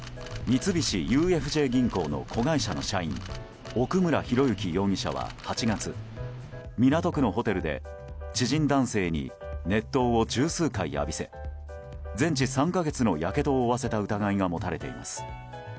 三菱ＵＦＪ銀行の子会社の社員奥村啓志容疑者は８月、港区のホテルで知人男性に熱湯を十数回浴びせ全治３か月のやけどを負わせた疑いが持たれています。